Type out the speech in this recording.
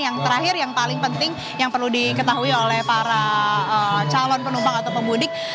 yang terakhir yang paling penting yang perlu diketahui oleh para calon penumpang atau pemudik